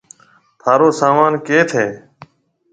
ٿارو سامان ڪيٿ هيَ۔